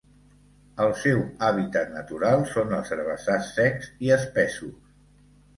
El seu hàbitat natural són els herbassars secs i espessos.